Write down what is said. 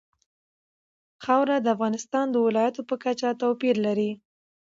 خاوره د افغانستان د ولایاتو په کچه توپیر لري.